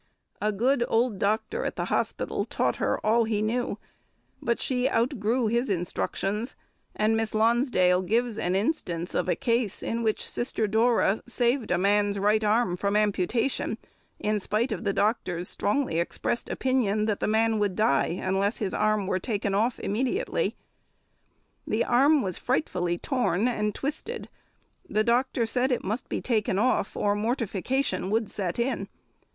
A good old doctor at the hospital taught her all he knew; but she outgrew his instructions, and Miss Lonsdale gives an instance of a case in which Sister Dora saved a man's right arm from amputation, in spite of the doctor's strongly expressed opinion that the man would die unless his arm were taken off immediately. The arm was frightfully torn and twisted; the doctor said it must be taken off, or mortification would set in.